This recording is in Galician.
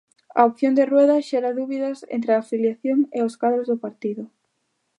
A opción de Rueda xera dúbidas entre a afiliación e os cadros do partido.